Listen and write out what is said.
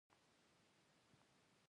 خوا په خوا غاړه په غاړه خوله په خوله وې.